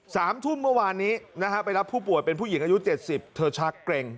สามทุ่มเมื่อวานนี้นะฮะไปรับผู้ป่วยเป็นผู้หญิงอายุเจ็ดสิบเธอชักเกร็ง